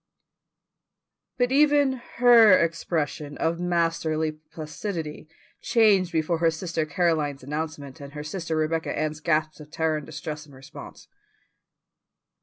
But even her expression of masterly placidity changed before her sister Caroline's announcement and her sister Rebecca Ann's gasp of terror and distress in response.